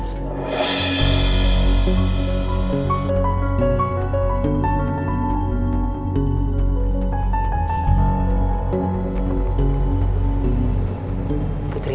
aku menurut anakmu